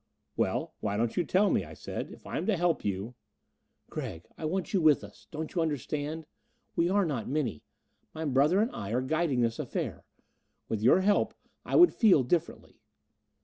"Well, why don't you tell me?" I said. "If I am to help you...." "Gregg, I want you with us. Don't you understand? We are not many. My brother and I are guiding this affair. With your help, I would feel differently."